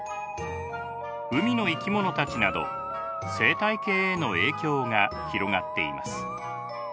海の生き物たちなど生態系への影響が広がっています。